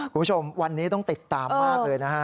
คุณผู้ชมวันนี้ต้องติดตามมากเลยนะฮะ